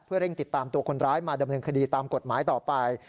เร่งติดตามตัวคนร้ายมาดำเนินคดีตามกฎหมายต่อไป